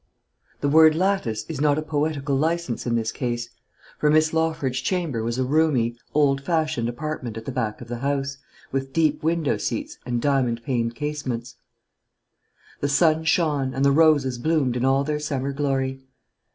The word lattice is not a poetical license in this case; for Miss Lawford's chamber was a roomy, old fashioned apartment at the back of the house, with deep window seats and diamond paned casements. The sun shone, and the roses bloomed in all their summer glory.